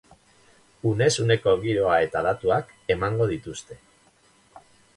Unez uneko giroa eta datuak emango dituzte.